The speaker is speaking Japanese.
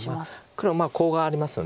黒コウがありますよね。